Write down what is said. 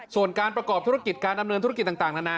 ส่วนการประกอบธุรกิจการดำเนินธุรกิจต่างนานา